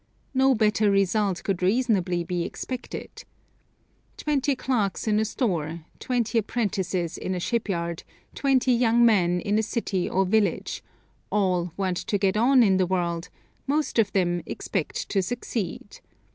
No better result could reasonably be expected. Twenty clerks in a store; twenty apprentices in a ship yard; twenty young men in a city or village all want to get on in the world; most of them expect to succeed.